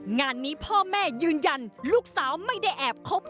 งานนี้พ่อแม่ยืนยันลูกสาวไม่ได้แอบคบ